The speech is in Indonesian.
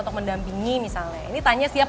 untuk mendampingi misalnya ini tanya siapa